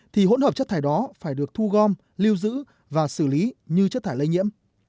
thì hỗn hợp chất thải đó phải được thu gom lưu giữ và xử lý như chất thải lây nhiễm